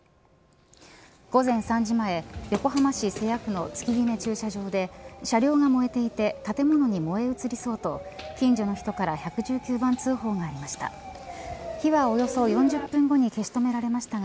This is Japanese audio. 午前３時前横浜市瀬谷区の月決め駐車場で車両が燃えていて建物に燃え移りそうと近所の人から１１９番通報がありました。